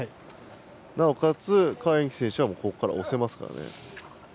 なおかつ何宛淇選手はここから押せますからね。